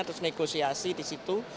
terus negosiasi disitu